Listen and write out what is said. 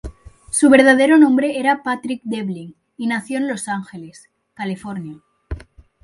Su verdadero nombre era Patrick Devlin, y nació en Los Ángeles, California.